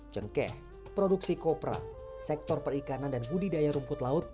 cengkeh produksi kopra sektor perikanan dan budidaya rumput laut